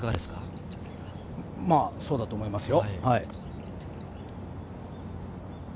そうだと思いますよ。